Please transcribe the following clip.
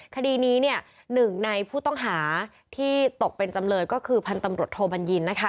คดีนี้หนึ่งในผู้ต้องหาที่ตกเป็นจำเลยก็คือพันธุ์ตำรวจโทบัญญินนะคะ